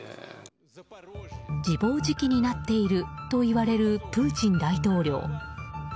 自暴自棄になっているといわれるプーチン大統領。